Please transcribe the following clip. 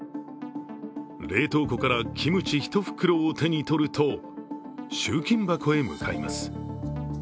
冷凍庫からキムチ１袋を手にとると、集金箱へ向かいます。